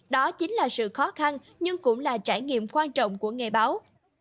đó chính là sự khó khăn nhưng cũng là trải nghiệm quan trọng của nghề báo